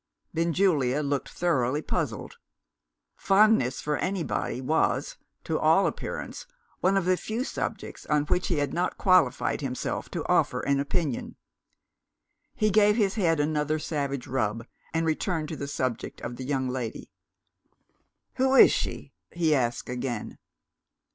Benjulia looked thoroughly puzzled. Fondness for anybody was, to all appearance, one of the few subjects on which he had not qualified himself to offer an opinion. He gave his head another savage rub, and returned to the subject of the young lady. "Who is she?" he asked again.